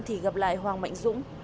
thì gặp lại hoàng mạnh dũng